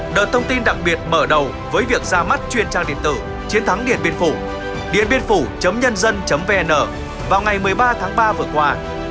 đợt thông tin đặc biệt mở đầu với việc ra mắt truyền trang điện tử chiến thắng điện biên phủ điệnbiênphủ nhân dân vn vào ngày một mươi ba tháng ba vừa qua